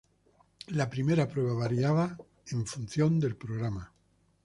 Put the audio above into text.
La primera prueba variaba en función del programa.